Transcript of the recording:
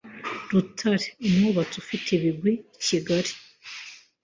Rutare, umwubatsi ufite ibigwi i Kigali